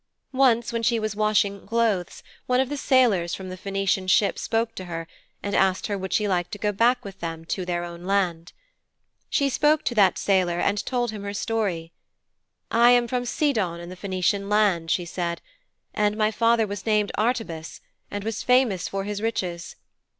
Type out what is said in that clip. Once, when she was washing clothes, one of the sailors from the Phœnician ship spoke to her and asked her would she like to go back with them to their own land.' 'She spoke to that sailor and told him her story. "I am from Sidon in the Phœnician land," she said, "and my father was named Artybas, and was famous for his riches.